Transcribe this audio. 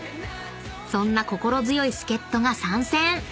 ［そんな心強い助っ人が参戦］